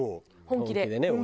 本気でね。